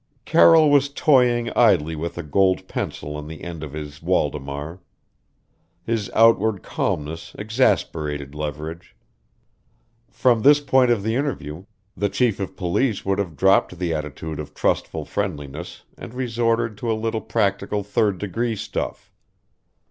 Carroll was toying idly with a gold pencil on the end of his waldemar. His outward calmness exasperated Leverage. From this point of the interview, the chief of police would have dropped the attitude of trustful friendliness and resorted to a little practical third degree stuff.